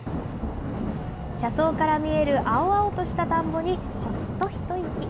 車窓から見える青々とした田んぼにほっと一息。